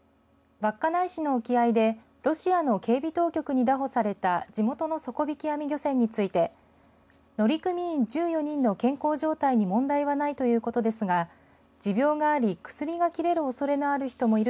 稚内市の沖合でロシアの警備当局に拿捕された地元の底引き網漁船について乗組員１４人の健康状態に問題はないということですが持病があり薬が切れる